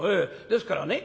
ですからね